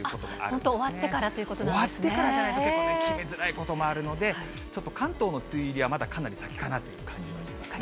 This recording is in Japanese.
本当、終わってからというこ終わってからじゃないと、結構ね、決めづらいこともあるので、ちょっと関東の梅雨入りは、まだ、かなり先かなという感じもしますね。